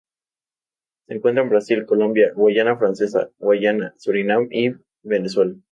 Se encuentra en Brasil, Colombia, Guayana francesa, Guyana, Surinam y Venezuela.